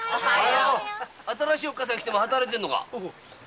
新しいおっかさん来ても働いてんのか？